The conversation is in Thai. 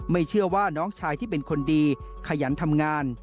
เชื่อว่าน้องชายที่เป็นคนดีขยันทำงาน